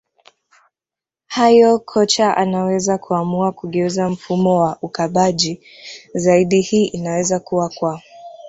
hayo kocha anaweza kuamua kugeuza mfumo kuwa wa ukabaji zaidi hii inaweza kua kwa